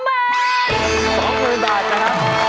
๒หมื่นบาทครับ